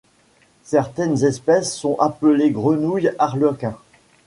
Certaines espèces sont appelées Grenouilles arlequins.